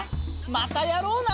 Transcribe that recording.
またやろうな！